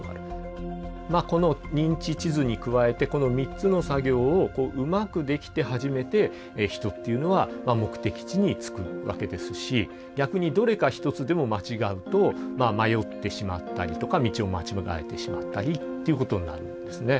この認知地図に加えてこの３つの作業をうまくできて初めて人っていうのは目的地に着くわけですし逆にどれか一つでも間違うと迷ってしまったりとか道を間違えてしまったりっていうことになるんですね。